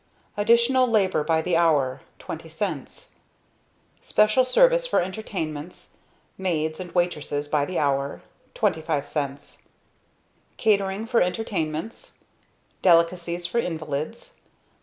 Additional labor by the hour....... $.20 Special service for entertainments, maids and waitresses, by the hour..........$.25 Catering for entertainments. Delicacies for invalids.